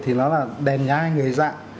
thì nó là đèn nhai người dạng